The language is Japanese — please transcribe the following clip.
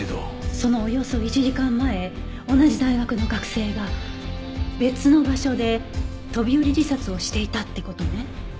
そのおよそ１時間前同じ大学の学生が別の場所で飛び降り自殺をしていたって事ね。